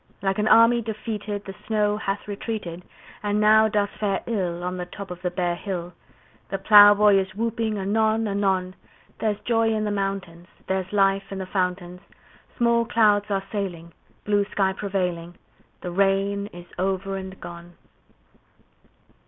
Like an army defeated The snow hath retreated, And now doth fare ill On the top of the bare hill; The plowboy is whooping anon anon: There's joy in the mountains; There's life in the fountains; Small clouds are sailing, Blue sky prevailing; The rain is over and gone!